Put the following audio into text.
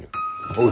おい！